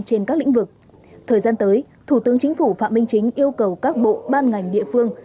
trên các lĩnh vực thời gian tới thủ tướng chính phủ phạm minh chính yêu cầu các bộ ban ngành địa phương